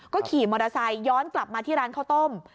ขี่มอเตอร์ไซค์ย้อนกลับมาที่ร้านข้าวต้ม